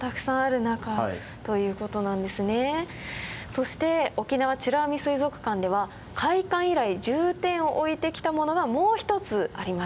そして沖縄美ら海水族館では開館以来重点を置いてきたものがもう一つあります。